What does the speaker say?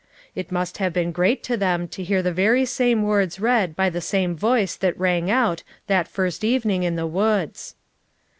It must have been great to them to hear the very same words read by the same voice that rang out that first even ing in the woods."